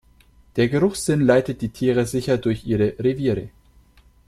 Der Geruchssinn leitet die Tiere sicher durch ihre Reviere.